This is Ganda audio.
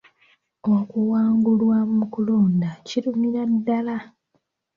Okuwangulwa mu kulonda kirumira ddala.